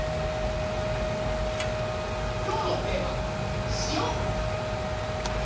きょうのテーマ「塩」！